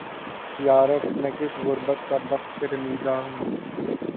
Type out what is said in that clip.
یارب! میں کس غریب کا بختِ رمیدہ ہوں!